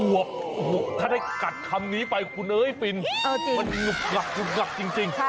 วบถ้าได้กัดคำนี้ไปคุณเอ้ยฟินมันหุบหลักจริง